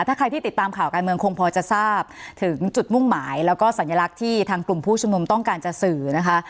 ถ้าใครที่ติดตามข่าวการเมืองคงพอจะทราบถึงจุดมุ่งหมายแล้วก็สัญลักษณ์ที่ทางกลุ่มผู้ชุมนุมต้องการจะสื่อนะคะ